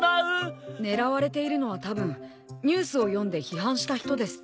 狙われているのはたぶんニュースを読んで批判した人です。